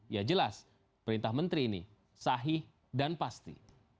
ya jelas perintah menteri ini sahih dan pasti